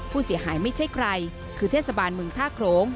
ผู้เสียหายไม่ใช่ใครคือเทศบาลเมืองท่าโครง